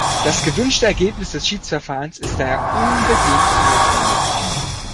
Das gewünschte Ergebnis des Schiedsverfahrens ist daher unbedingt notwendig.